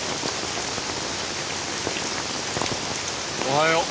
おはよう。